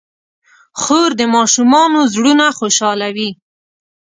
خور د ماشومانو زړونه خوشحالوي.